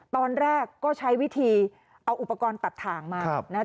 ตอนแรกก็ใช้วิธีเอาอุปกรณ์ตัดถ่างมานะฮะ